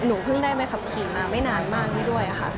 เพิ่งได้ใบขับขี่มาไม่นานมากนี้ด้วยค่ะ